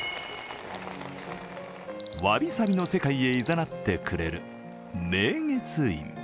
わびさびの世界へ誘ってくれる明月院。